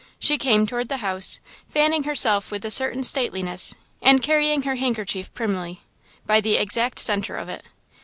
She came toward the house, fanning herself with a certain stateliness, and carrying her handkerchief primly, by the exact centre of it.